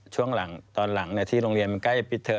ช่วงหลังตอนหลังเนี่ยที่โรงเรียนมันใกล้ปิดเถิด